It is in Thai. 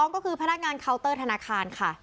ก็คือพนักงานเคาน์เตอร์ธนาคารค่ะ